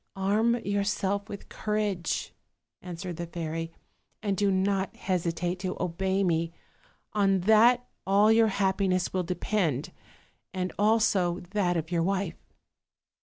"Arm yourself with courage," answered the fairy, "and do not hesitate to obey me; on that all your happi ness will depend, as also that of your wife."